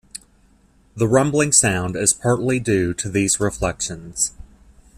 The rumbling sound is partly due to these reflections.